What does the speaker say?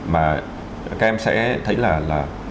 mà các em sẽ thấy là